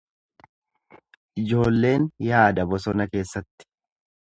Ijoolleen yaada bosona keessatti.